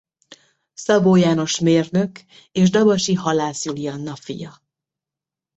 Szabó János mérnök és dabasi Halász Julianna fia.